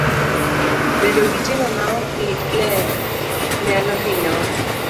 Bedo gi timbe maok ler nyalo hinyowa.